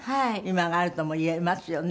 今があるとも言えますよね。